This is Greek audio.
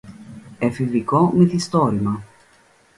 Εφηβικό μυθιστόρημα